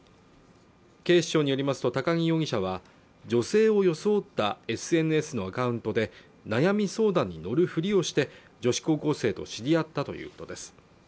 警視庁によりますと高木容疑者は女性を装ったＳＮＳのアカウントで悩み相談に乗るふりをして女子高校生と知り合ったということです